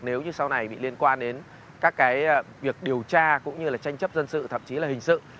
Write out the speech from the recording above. nếu như sau này bị liên quan đến các cái việc điều tra cũng như là tranh chấp dân sự thậm chí là hình sự